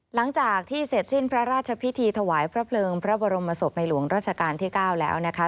หลังจากที่เสร็จสิ้นพระราชพิธีถวายพระเพลิงพระบรมศพในหลวงราชการที่๙แล้วนะคะ